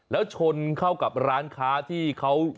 แล้วชนเข้ากับร้านค้าที่เขา